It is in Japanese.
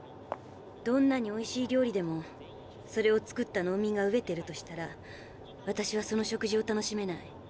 どんなにおいしい料理でもそれを作った農民がうえてるとしたら私はその食事を楽しめない。